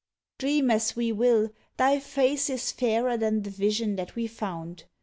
Dream as we will, thy face Is fairer than the vision that we found.